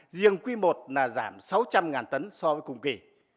riêng quý i giảm sáu trăm linh tấn so với cùng kỳ